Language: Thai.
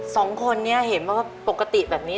สองคนนี้เห็นมาว่าปกติแบบนี้